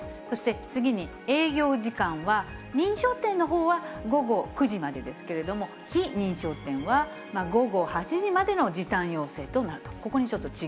そして次に、営業時間は認証店のほうは午後９時までですけれども、非認証店は午後８時までの時短要請になっていると。